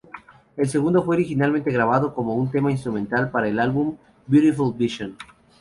El segundo fue originalmente grabado como un tema instrumental para el álbum "Beautiful Vision".